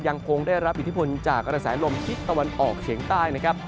ยังคงได้รับอิทธิพลจากกระแสลมทิศตะวันออกเฉียงใต้นะครับ